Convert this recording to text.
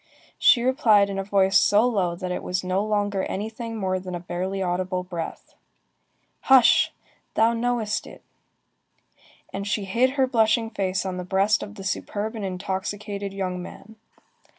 She replied in a voice so low that it was no longer anything more than a barely audible breath:— "Hush! Thou knowest it!" And she hid her blushing face on the breast of the superb and intoxicated young man.